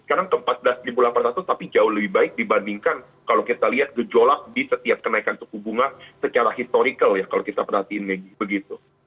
sekarang ke empat belas delapan ratus tapi jauh lebih baik dibandingkan kalau kita lihat gejolak di setiap kenaikan suku bunga secara historical ya kalau kita perhatiin megi begitu